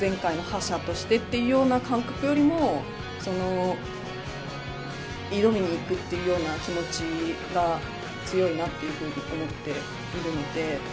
前回の覇者としてというような感覚よりも挑みにいくというような気持ちが強いなというふうに思っているので。